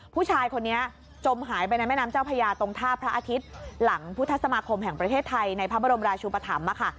ผู้ชายคนนี้จมหายไปในแม่น้ำเจ้าพญาตรงท่าพระอาทิตย์หลังพุทธสมาคมแห่งประเทศไทยในพระบรมราชุปธรรมค่ะ